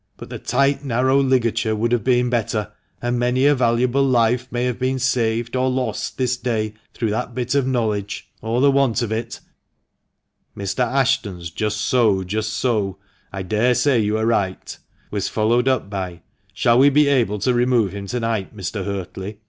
But the tight, narrow ligature would have been better ; and many a valuable life may have been saved or lost this day through that bit of knowledge or — the want of it." THE MANCHESTER MAN. 199 Mr. Ashton's " Just so, just so ; I daresay you are right," was followed up by " Shall we be able to remove him to night, Mr. Huertley?